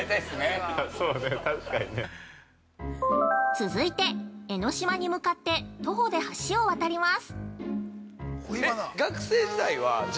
◆続いて江の島に向かって徒歩で橋を渡ります。